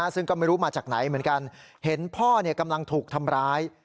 ซึ่งก็ไม่รู้มาจากไหนเหมือนกันเห็นพ่อกำลังถูกทำร้าย